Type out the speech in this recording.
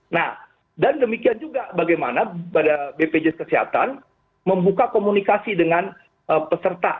nah dan demikian juga bagaimana pada bpjs kesehatan membuka komunikasi dengan peserta